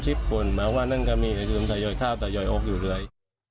หมายความว่านั่งก็มีแต่ย่อยทาสแต่ย่อยอกอยู่เลย